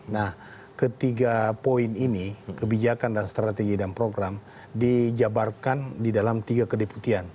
nah ketiga poin ini kebijakan dan strategi dan program dijabarkan di dalam tiga kedeputian